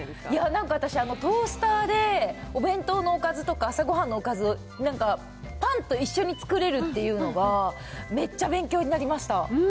なんか私、トースターでお弁当のおかずとか朝ごはんのおかず、なんか、パンと一緒に作れるっていうのが、めっちゃ勉強になりました。